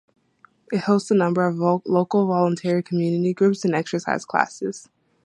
It hosts a number of local voluntary community groups and exercise classes.